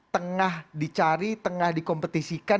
tengah dicari tengah dikompetisikan